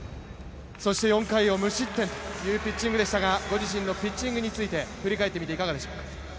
４回を無失点というピッチングでしたが、ご自身のピッチングについて振り返ってみていかがでしょうか？